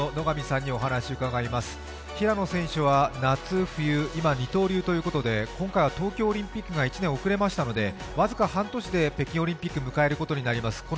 平野選手は、夏、冬、今二刀流ということで、今回は東京オリンピックが１年遅れましたのでわずか半年で北京オリンピックを迎えることになります。